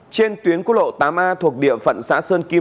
trên tuyến quốc lộ tám a thuộc địa phận xã sơn kim